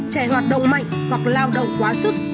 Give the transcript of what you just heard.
trẻ hoạt động mạnh hoặc lao động quá sức